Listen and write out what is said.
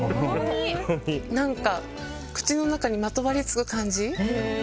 何か、口の中にまとわりつく感じ。